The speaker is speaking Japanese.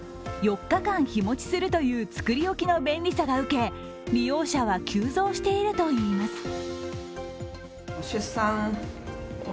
４日間日持ちするという作り置きの便利さが受け、利用者は急増しているといいます。